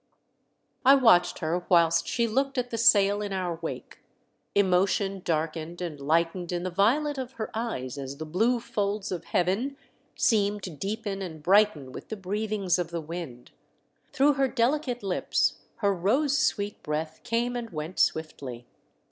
I watched her whilst she looked at the sail in our wake ; emotion darkened and lightened in the violet of her eyes as the blue folds of Heaven seem to deepen and brighten with the breathings of the wind ; through her deli cate lips her rose sv/eet breath came and went swiftly.